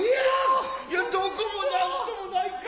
いやどこも何ともないか。